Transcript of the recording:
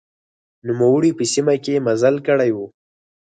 نوموړي په سیمه کې مزل کړی و.